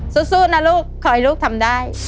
สู้นะลูกขอให้ลูกทำได้